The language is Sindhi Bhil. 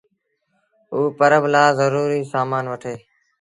اوٚ پرٻ لآ زروٚريٚ سآمآݩ وٺي